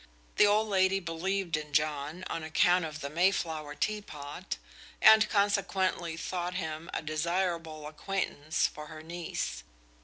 The old lady believed in John on account of the Mayflower teapot, and consequently thought him a desirable acquaintance for her niece.